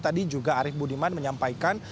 tadi juga arief budiman menyampaikan